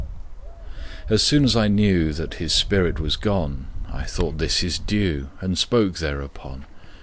As soon as I knew That his spirit was gone I thought this his due, And spoke thereupon.